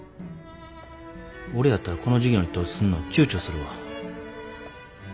俺やったらこの事業に投資すんのちゅうちょするわ。